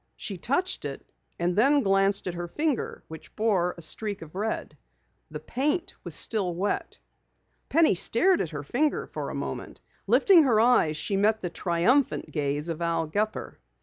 She touched it and then glanced at her finger which bore a streak of red. The paint was still wet. Penny stared at her finger a moment. Lifting her eyes she met the triumphant gaze of Al Gepper.